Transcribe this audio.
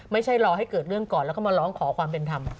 ไม่ใช่รอให้เกิดเรื่องก่อนแล้วก็มาร้องขอความเป็นธรรม